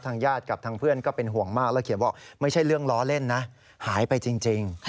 ญาติกับทางเพื่อนก็เป็นห่วงมากแล้วเขียนว่าไม่ใช่เรื่องล้อเล่นนะหายไปจริง